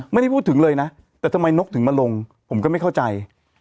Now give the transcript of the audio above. ไม่ได้พูดถึงเลยนะแต่ทำไมนกถึงมาลงผมก็ไม่เข้าใจ